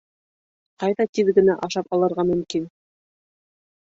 Ҡайҙа тиҙ генә ашап алырға мөмкин?